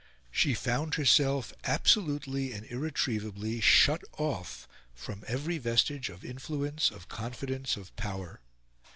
She found herself, absolutely and irretrievably, shut off from every vestige of influence, of confidence, of power.